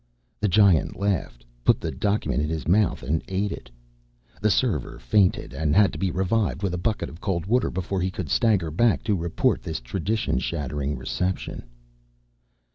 The Giant laughed, put the document in his mouth and ate it. The server fainted and had to be revived with a bucket of cold water before he could stagger back to report this tradition shattering reception.